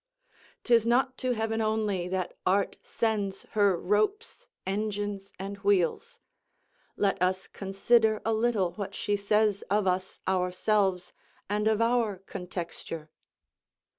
'Tis not to heaven only that art sends her ropes, engines, and wheels; let us consider a little what she says of us ourselves, and of our contexture.